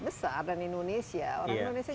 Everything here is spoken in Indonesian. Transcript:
besar dan indonesia orang indonesia